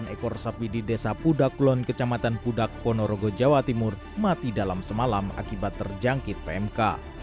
delapan ekor sapi di desa pudakulon kecamatan pudak ponorogo jawa timur mati dalam semalam akibat terjangkit pmk